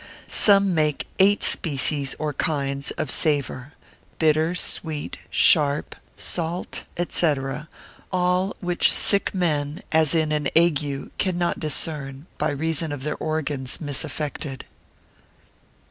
Some make eight species or kinds of savour, bitter, sweet, sharp, salt, &c., all which sick men (as in an ague) cannot discern, by reason of their organs misaffected.